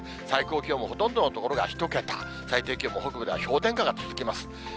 最高気温もほとんどの所が１桁、最低気温も北部では氷点下が続きます。